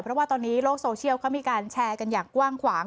เพราะว่าตอนนี้โลกโซเชียลเขามีการแชร์กันอย่างกว้างขวาง